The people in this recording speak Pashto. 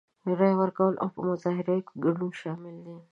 رای ورکول او په مظاهرو کې ګډون شامل دي.